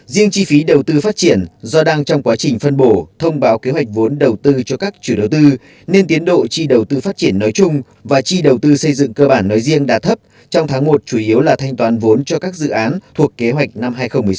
riêng chi phí đầu tư phát triển do đang trong quá trình phân bổ thông báo kế hoạch vốn đầu tư cho các chủ đầu tư nên tiến độ chi đầu tư phát triển nói chung và chi đầu tư xây dựng cơ bản nói riêng đã thấp trong tháng một chủ yếu là thanh toán vốn cho các dự án thuộc kế hoạch năm hai nghìn một mươi sáu